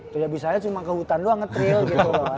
tidak bisa aja cuma ke hutan doang nge thrill gitu loh